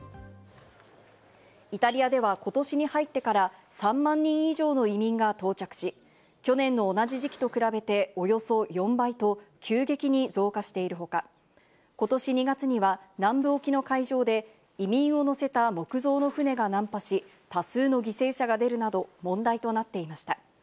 イタリアでは今年に入ってから３万人以上の移民が到着し、去年の同じ時期と比べておよそ４倍と急激に増加しているほか、今年２月には南部沖の海上で移民を乗せた木造の船が難破し、多数の犠牲者が出るなど問題となっていました。